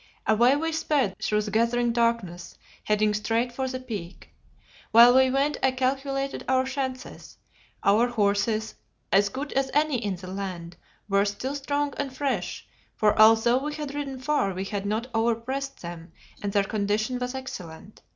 Away we sped through the gathering darkness, heading straight for the Peak. While we went I calculated our chances. Our horses, as good as any in the land, were still strong and fresh, for although we had ridden far we had not over pressed them, and their condition was excellent.